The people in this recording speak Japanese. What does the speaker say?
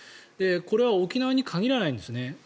これは沖縄に限らないんですね。